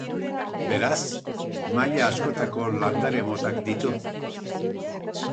Beraz, maila askotako landare-motak ditu.